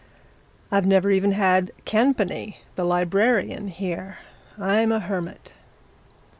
I've never even had Campany, the librarian, here. I'm a hermit."